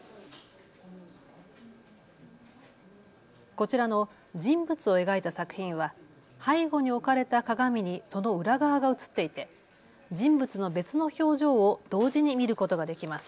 こちらの人物を描いた作品は背後に置かれた鏡にその裏側が映っていて人物の別の表情を同時に見ることができます。